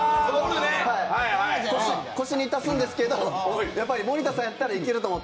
腰に足すんですけど、森田さんやったらいけると思って。